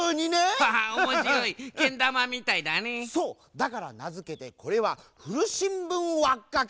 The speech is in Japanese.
だからなづけてこれは「ふるしんぶんわっかけ」。